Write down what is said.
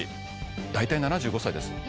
大体７５歳です。